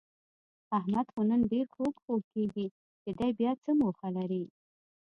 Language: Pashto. احمد خو نن ډېر خوږ خوږ کېږي، چې دی بیاڅه موخه لري؟